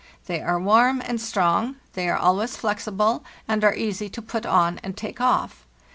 They are warm and strong, they are always flexible, and are easy to put on and take off.